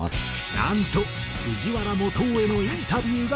なんと藤原基央へのインタビューが実現！